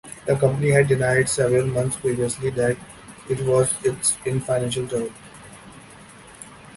The company had denied several months previously that it was in financial trouble.